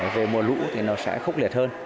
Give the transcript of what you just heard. về mùa lũ thì nó sẽ khốc liệt hơn